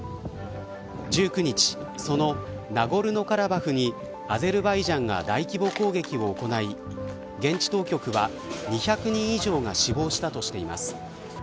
１９日、そのナゴルノカラバフにアゼルバイジャンが大規模攻撃を行い現地当局は２００人以上が死亡したとしています。